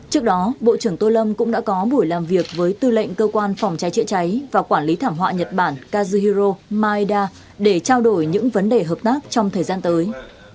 trước đó bộ trưởng tô lâm cũng đã có buổi làm việc với tư lệnh cơ quan phòng cháy chữa cháy và quản lý thảm họa nhật bản kazuro maeda để trao đổi những vấn đề hợp tác trong thời gian tới